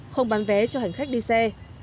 không bán vé cho hành khách đi xe